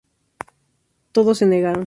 Todos se negaron.